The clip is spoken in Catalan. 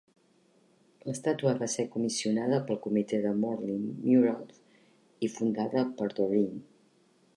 L'estàtua va ser comissionada pel Comitè de Morley Murals i fundada per Doreen.